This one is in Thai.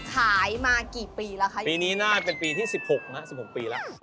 ขายมากี่ปีปีนี้น่าจะเป็นปีที่๑๖ปีแล้ว